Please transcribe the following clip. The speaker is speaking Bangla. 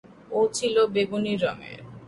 ও ছিল বেগুনি রঙের।